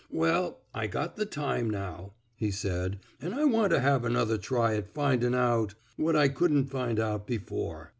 Well, I got the time now,*' he said, an' I want to have another try at findin' out — what I couldn't find out before.